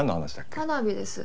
花火です。